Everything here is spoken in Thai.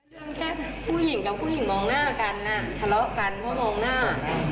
แค่ผู้หญิงกับผู้หญิงมองหน้ากันทะเลาะกันเพราะมองหน้า